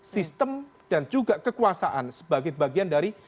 sistem dan juga kekuasaan sebagai bagian dari